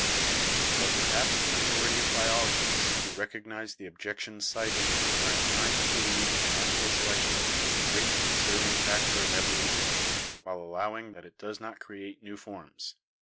But per haps the majority of biologists who recognise the objec tions cited are inclined to belief in natural selection as the great 'conserving factor of evolution' while allowing 212 BIOLOGY that it does not create new forms.